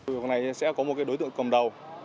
cái này sẽ có một đối tượng cầm đầu